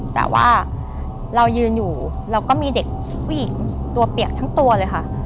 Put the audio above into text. แต่ว่าเรายืนอยู่เราก็มีเด็กผู้หญิงตัวเปียกทั้งตัวเลยค่ะ